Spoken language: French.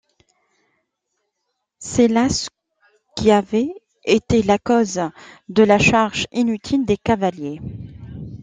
C'est là ce qui avait été la cause de la charge inutile des cavaliers.